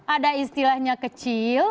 ada istilahnya kecil